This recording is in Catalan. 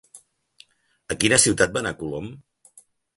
A quina ciutat va anar Colom?